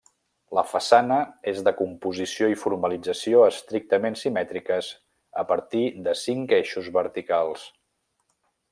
La façana és de composició i formalització estrictament simètriques a partir de cinc eixos verticals.